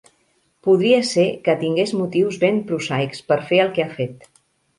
Podria ser que tingués motius ben prosaics per fer el que ha fet.